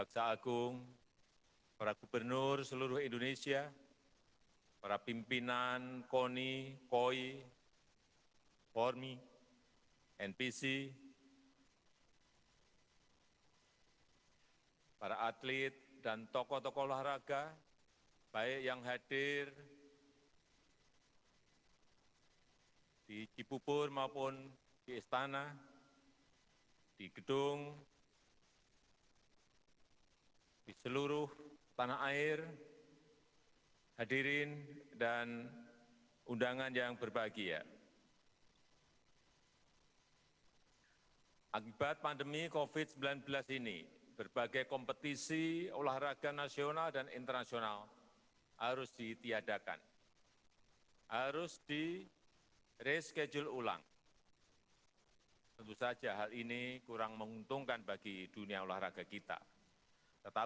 sporturism sport science dan juga sport industry itulah tema haornes dua ribu dua puluh dan selanjutnya kita